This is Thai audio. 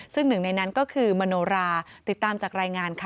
ซึ่งหนึ่งในนั้นก็คือมโนราติดตามจากรายงานค่ะ